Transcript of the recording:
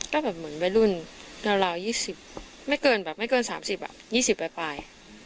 ก็เหมือนวันรุ่นมันเกิน๓๐อ่ะ๒๐ปลาย